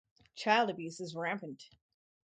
Child abuse is rampant.